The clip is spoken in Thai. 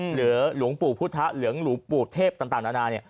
หรือหลวงปู่พุทธหรือหลวงปู่เทพจริงนานา